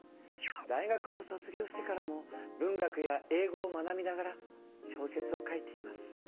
大学を卒業してからも文学や英語を学びながら小説を書いています。